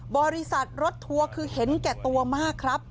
บริษัทรถทัวร์คือเห็นแก่ตัวมากครับ